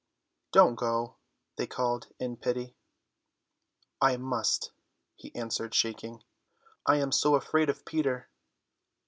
"Don't go," they called in pity. "I must," he answered, shaking; "I am so afraid of Peter."